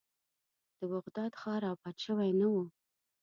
د بغداد ښار آباد شوی نه و.